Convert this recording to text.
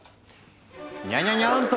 にゃにゃにゃんと！